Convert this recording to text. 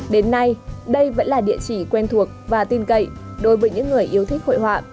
đến nay đây vẫn là địa chỉ quen thuộc và tin cậy đối với những người yêu thích hội họa